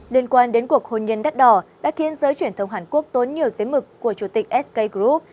liên quan đến cuộc hôn nhân đắt đỏ đã khiến giới truyền thông hàn quốc tốn nhiều giấy mực của chủ tịch sk group